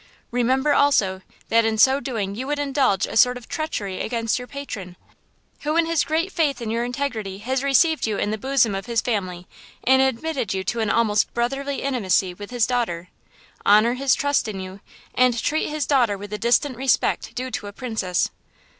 Remember also that in so doing you would indulge a sort of treachery against your patron, who in his great faith in your integrity has received you in the bosom of his family and admitted you to an almost brotherly intimacy with his daughter. Honor his trust in you, and treat his daughter with the distant respect due to a princess."